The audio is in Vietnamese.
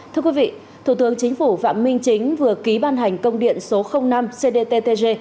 thưa quý vị thủ tướng chính phủ phạm minh chính vừa ký ban hành công điện số năm cdttg